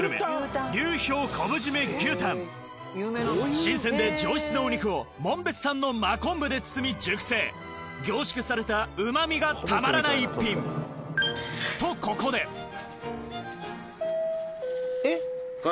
新鮮で上質なお肉を紋別産のマコンブで包み熟成凝縮されたうま味がたまらない一品とここではい。